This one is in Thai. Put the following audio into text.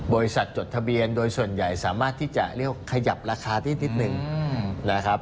จดทะเบียนโดยส่วนใหญ่สามารถที่จะเรียกว่าขยับราคาที่นิดนึงนะครับ